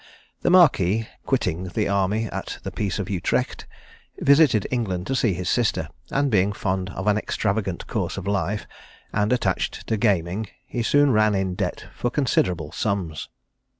The Marquis quitting the army at the peace of Utrecht, visited England to see his sister; and being fond of an extravagant course of life, and attached to gaming, he soon ran in debt for considerable sums.